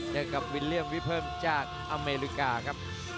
เจอกับวิลเลี่ยมวิเพิ่มจากอเมริกาครับ